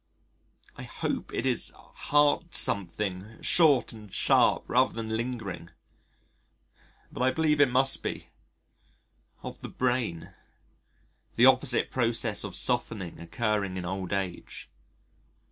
I hope it is heart something short and sharp rather than lingering. But I believe it must be of the brain, the opposite process of softening occurring in old age.